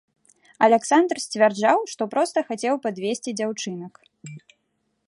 Аляксандр сцвярджаў, што проста хацеў падвезці дзяўчынак.